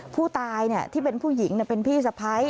ผู้ตายที่เป็นผู้หญิงเป็นพี่สะพ้าย